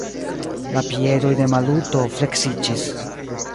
La piedoj de Maluto fleksiĝis.